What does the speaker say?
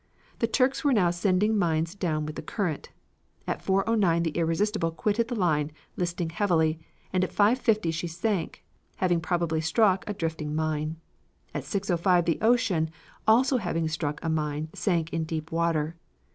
The Turks were now sending mines down with the current. At 4.09 the Irresistible quitted the line, listing heavily, and at 5.50 she sank, having probably struck a drifting mine. At 6.05 the Ocean, also having struck a mine, sank in deep water.